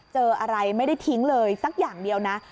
เจออะไรไม่ได้ทิ้งเลยสักอย่างเดียวนะ